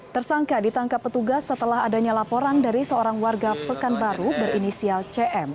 tersangka ditangkap petugas setelah adanya laporan dari seorang warga pekanbaru berinisial cm